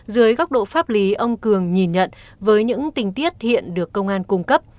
dưới góc độ pháp lý ông cường nhìn nhận với những tình tiết hiện được công an cung cấp